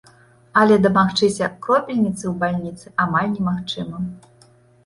Але дамагчыся кропельніцы ў бальніцы амаль немагчыма.